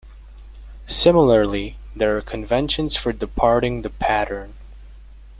Similarly, there are conventions for departing the pattern.